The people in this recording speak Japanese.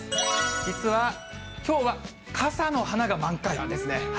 実はきょうは傘の花が満開なんですね。